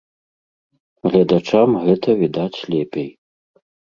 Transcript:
Гледачам гэта відаць лепей.